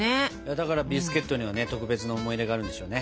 だからビスケットにはね特別な思い出があるんでしょうね。